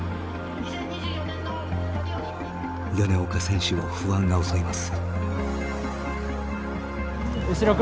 米岡選手を不安が襲います。